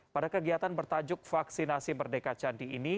pada kegiatan bertajuk vaksinasi merdeka candi ini